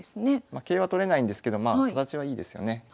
桂は取れないんですけど形はいいですよね。